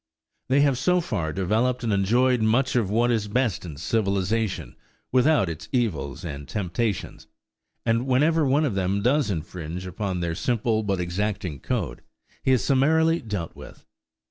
They have so far developed and enjoyed much of what is best in civilization without its evils and temptations; and whenever one of them does infringe upon their simple but exacting code he is summarily dealt with.